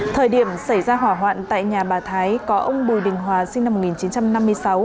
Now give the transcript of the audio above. thời điểm xảy ra hỏa hoạn tại nhà bà thái có ông bùi đình hòa sinh năm một nghìn chín trăm năm mươi sáu